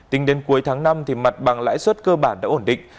tính đến cuối tháng năm mặt bằng lãi suất cơ bản đã ổn định